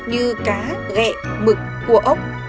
như cá ghẹ mực cua ốc